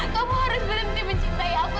kamu harus berhenti mencintai aku